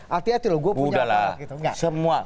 hati hati loh gue punya